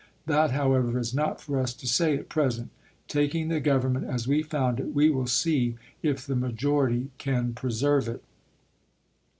That, how ever, is not for us to say at present. Taking the govern ment as we found it, we will see if the maioritv can Ibid., May .,' o . 7,1861. MS. preserve it.